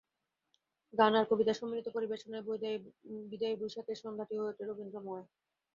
গান আর কবিতার সম্মিলিত পরিবেশনায় বিদায়ী বৈশাখের সন্ধ্যাটি হয়ে ওঠে রবীন্দ্রময়।